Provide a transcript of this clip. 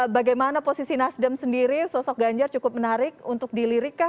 bagaimana posisi nasdem sendiri sosok ganjar cukup menarik untuk dilirikkah